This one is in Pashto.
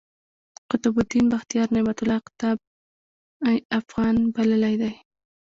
قطب الدین بختیار، نعمت الله اقطب افغان بللی دﺉ.